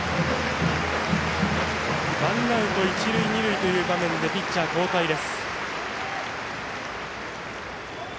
ワンアウト、一塁二塁という場面ピッチャー交代です。